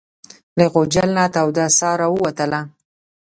له غوجل نه توده ساه راووتله.